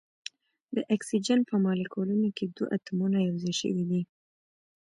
د اکسیجن په مالیکول کې دوه اتومونه یو ځای شوي دي.